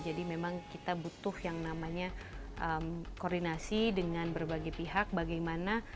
jadi memang kita butuh yang namanya koordinasi dengan berbagai pihak bagaimana